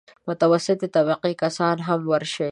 د متوسطې طبقې کسان هم ورشي.